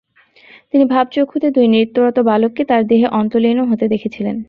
তিনি ভাবচক্ষুতে দুই নৃত্যরত বালককে তার দেহে অন্তলীন হতে দেখেছিলেন।